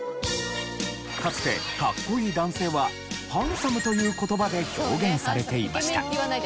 かつてかっこいい男性はハンサムという言葉で表現されていました。